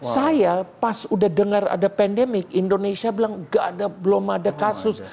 saya pas udah dengar ada pandemik indonesia bilang belum ada kasus